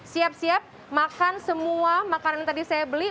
siap siap makan semua makanan yang tadi saya beli